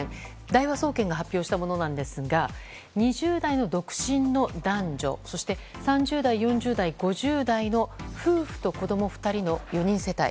大和総研が発表したものですが２０代の独身の男女３０代、４０代、５０代の夫婦と子供２人の４人世帯